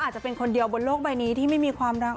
อาจจะเป็นคนเดียวบนโลกใบนี้ที่ไม่มีความรัก